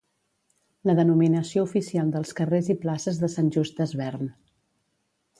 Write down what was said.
La denominació oficial dels carrers i places de Sant Just Desvern